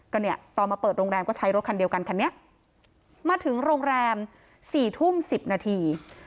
ก็เนี่ยตอนมาเปิดโรงแรมก็ใช้รถคันเดียวกันคันนี้มาถึงโรงแรมสี่ทุ่ม๑๐นาที